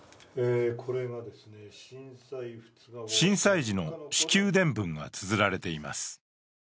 震災時の至急電文がつづられています。